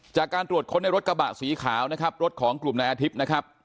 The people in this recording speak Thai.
จากการตรวจค้นในรถกระบะสีขาวนะครับรถของกลุ่มนายอาทิตย์นะครับ